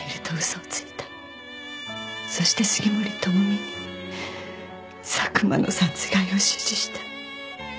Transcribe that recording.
そして杉森知美に佐久間の殺害を指示した。